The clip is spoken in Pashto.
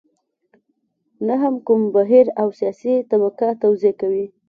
نه هم کوم بهیر او سیاسي طبقه توضیح کوي.